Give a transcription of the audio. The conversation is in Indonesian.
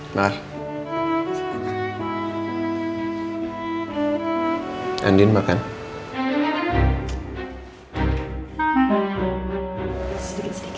memang selama long jonah